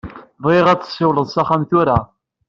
Bɣiɣ ad tessiwleḍ s axxam tura.